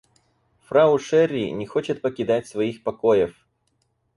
Фрау Шерри не хочет покидать своих покоев.